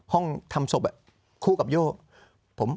ห้องทำศพคู่กับโย่